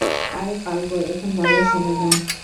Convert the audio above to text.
আরে পালবো, এখন মজার সময় না।